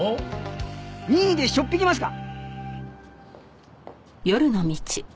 任意でしょっ引きますか？